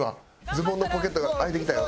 ズボンのポケットが開いてきたよ